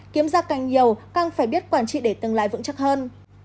kiếm ra càng nhiều càng phải biết quản trị để tương lai vững chắc hơn